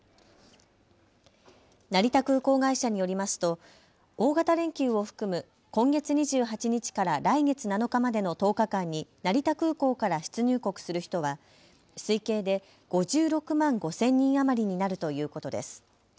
成田空港会社によりますと大型連休を含む今月２８日から来月７日までの１０日間に成田空港から出入国する人は推計で５６万５０００人余りになるということです。